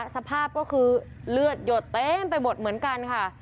สภาพก็คือเลือดหยดเต็มไปหมดเหมือนกันค่ะ